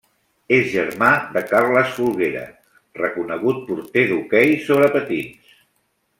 És germà de Carles Folguera, reconegut porter d'hoquei sobre patins.